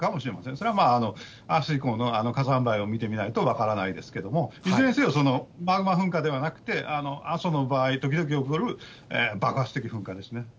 それはあす以降の、火山灰を見てみないと分からないですけども、いずれにせよ、マグマ噴火ではなくて、阿蘇の場合、時々起こる爆発的噴火ですね。